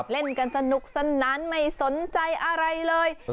เล่นกันสนุกสนานไม่สนใจอะไรเลย